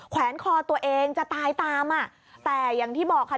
แวนคอตัวเองจะตายตามอ่ะแต่อย่างที่บอกค่ะ